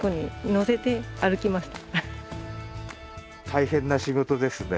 大変な仕事ですね。